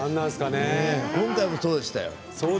今回もそうでしたよ。